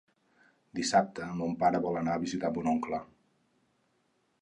Dissabte mon pare vol anar a visitar mon oncle.